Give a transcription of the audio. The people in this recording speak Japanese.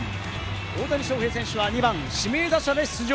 大谷翔平選手は２番・指名打者で出場。